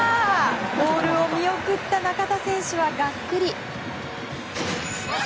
ボールを見送った中田選手はがっくり。